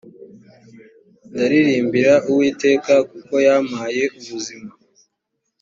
ndaririmbira uwiteka kuko yampaye ubuzima